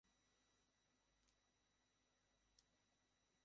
পাকিস্তানের দুজনকে বঞ্চিত করে ভারতের জয়ের নায়ক গোলরক্ষক শ্রীজেশ পারাত্তু রবীন্দ্রন।